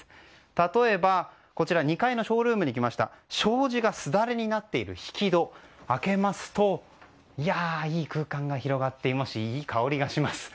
例えば、２階のショールームに来ましたが障子がすだれになっている引き戸を開けますといい空間が広がっていますしいい香りがします。